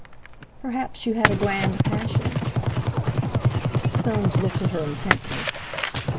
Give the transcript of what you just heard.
"Perhaps you had a grand passion." Soames looked at her intently.